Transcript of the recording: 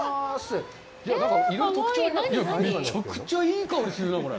なんかめちゃくちゃいい香りするな、これ。